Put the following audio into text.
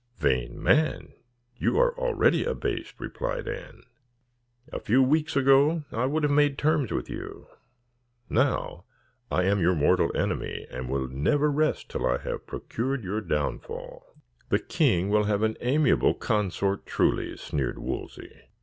"Vain man, you are already abased," replied Anne. "A few weeks ago I would have made terms with you. Now I am your mortal enemy, and will never rest till I have procured your downfall." "The king will have an amiable consort, truly," sneered Wolsey.